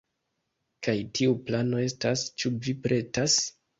Kaj tiu plano estas... ĉu vi pretas?